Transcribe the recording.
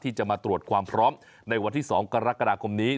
ที่จะมาตรวจความพร้อมในวันที่๒กรกฎาคมนี้